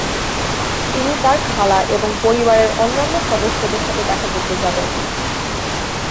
তিনি তার খালা এবং পরিবারের অন্যান্য সদস্যদের সাথে দেখা করতে যাবেন।